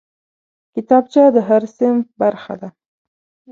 کتابچه د هر صنف برخه ده